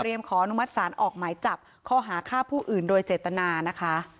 ขออนุมัติศาลออกหมายจับข้อหาฆ่าผู้อื่นโดยเจตนานะคะ